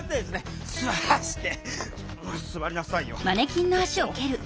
座りなさいよ。